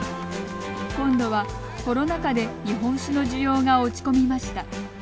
今度は、コロナ禍で日本酒の需要が落ち込みました。